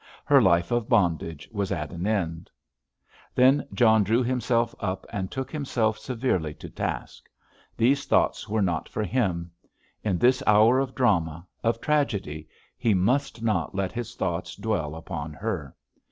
Her life of bondage was at an end.... Then John drew himself up and took himself severely to task. These thoughts were not for him. In this hour of drama, of tragedy, he must not let his thoughts dwell upon her.